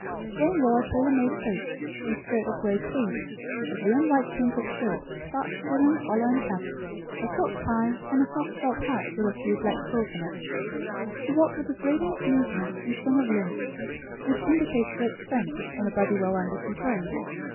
Jane wore a tailor made coat and skirt of grey tweed, a blue and white cambric shirt, starched linen collar and cuffs, a silk tie, and a soft felt hat with a few black quills in it. She walked with the freedom of movement and swing of limb which indicate great strength and a body well under control.